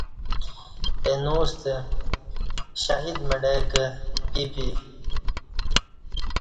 اہ نوستہ شہید مڑہ کں پیپی